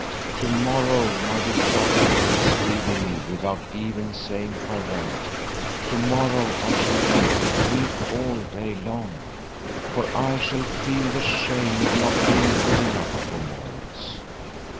To morrow my betrothed is leaving me without even saying farewell. To morrow I shall weep, weep all day long, for I shall feel the shame of not being good enough for Maurits.